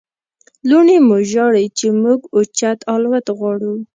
لوڼې مو ژاړي چې موږ اوچت الوت غواړو.